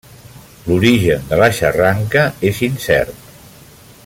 L'origen de la xarranca és incert.